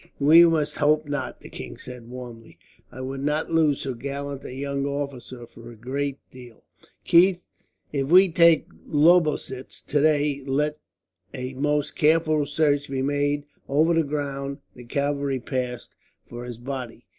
"We must hope not," the king said warmly. "I would not lose so gallant a young officer, for a great deal. "Keith, if we take Lobositz today, let a most careful search be made, over the ground the cavalry passed, for his body.